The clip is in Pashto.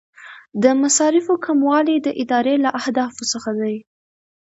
د مصارفو کموالی د ادارې له اهدافو څخه دی.